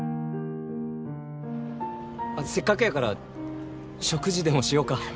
せっかくやから食事でもしようか。